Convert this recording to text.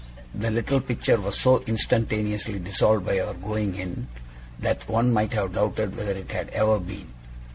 The little picture was so instantaneously dissolved by our going in, that one might have doubted whether it had ever been.